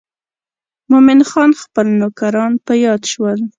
مومن خان خپل نوکران په یاد شول.